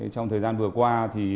trong thời gian vừa qua